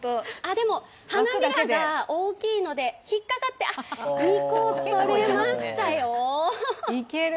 いけるかな、でも、花びらが大きいので、引っ掛かってあっ、２個取れましたよ。